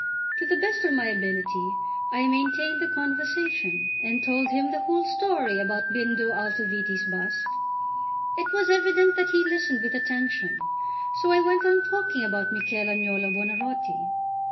To the best of my ability I maintained the conversation, and told him the whole story about Bindo Altoviti's bust. It was evident that he listened with attention; so I went on talking about Michel Agnolo Buonarroti.